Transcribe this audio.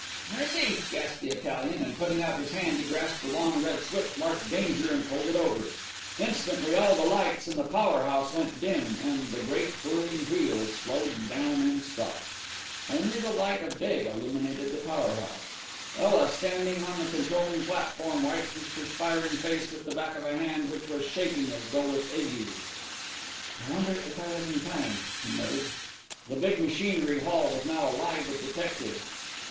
"Mercy!" gasped the Italian, and putting out his hand he grasped a long red switch marked 'Danger' and pulled it over. Instantly all the lights in the power house went dim, and the great whirling wheels slowed down and stopped. Only the light of day illuminated the power house. Ela, standing on the controlling platform, wiped his perspiring face with the back of a hand which was shaking as though with ague. "I wonder if I was in time?" he muttered. The big machinery hall was now alive with detectives.